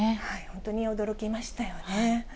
本当に驚きましたよね。